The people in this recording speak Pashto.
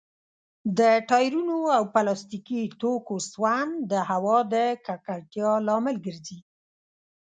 د ټايرونو او پلاستيکي توکو سون د هوا د ککړتيا لامل ګرځي.